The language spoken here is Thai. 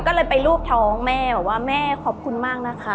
ก็เลยไปรูปท้องแม่บอกว่าแม่ขอบคุณมากนะคะ